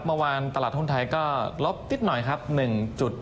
เมื่อวานตลาดหุ้นไทยก็ลบนิดหน่อยครับ๑๗นะครับ